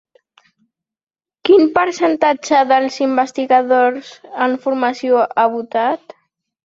Quin percentatge dels investigadors en formació ha votat?